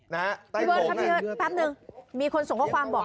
พี่เบิร์ดครับพี่เบิร์ดแป๊บนึงมีคนส่งข้อความบอก